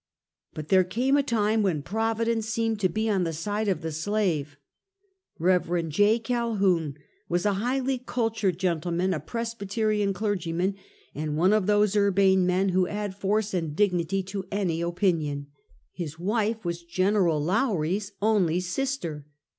But there came a time when "Providence" seemed to be on the side of the slave. Kev. J. Calhoun was a highly cultured gentleman, a Presbyterian clergyman, and one of those urbane men who add force and dignity to any opinion. His wife was Gen. Lowrie's only sister.